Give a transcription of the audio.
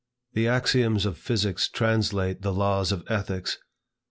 The axioms of physics translate the laws of ethics.